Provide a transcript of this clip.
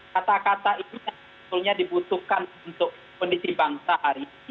kata kata ini yang sebetulnya dibutuhkan untuk kondisi bang sari